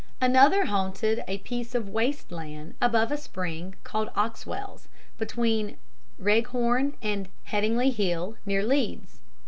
Another haunted a piece of waste land above a spring called the Oxwells, between Wreghorn and Headingley Hill, near Leeds.